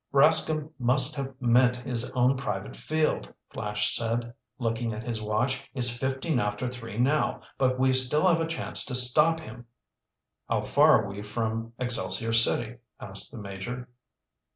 "Rascomb must have meant his own private field," Flash said, looking at his watch. "It's fifteen after three now. But we still have a chance to stop him." "How far are we from Excelsior City?" asked the Major.